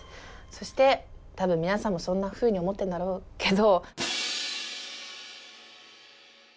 そして多分皆さんもそんなふうに思ってんだろうけど。